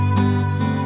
aku mau ke sana